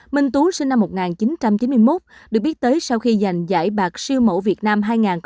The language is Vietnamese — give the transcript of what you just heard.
minh tú sinh năm một nghìn chín trăm chín mươi một được biết tới sau khi giành giải bạc siêu mẫu việt nam hai nghìn